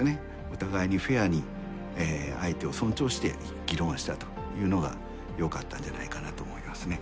お互いにフェアに相手を尊重して議論したというのがよかったんじゃないかなと思いますね。